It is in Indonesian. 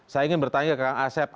saya ingin bertanya ke kang asep